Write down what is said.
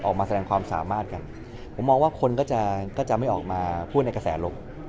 ออกมาแสดงความสามารถกันผมมองว่าคนก็จะก็จะไม่ออกมาพูดในกระแสลบ